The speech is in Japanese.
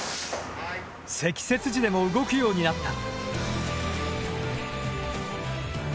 積雪時でも動くようになった！